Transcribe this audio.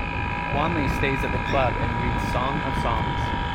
Wanley stays at the club and reads Song of Songs.